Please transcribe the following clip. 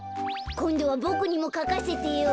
こんどはボクにもかかせてよ。